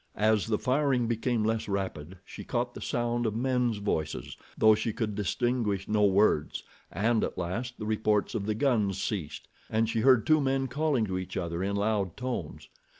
As the firing became less rapid she caught the sound of men's voices, though she could distinguish no words, and at last the reports of the guns ceased, and she heard two men calling to each other in loud tones.